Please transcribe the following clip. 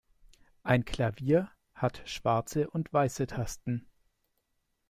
Ein Klavier hat schwarze und weiße Tasten.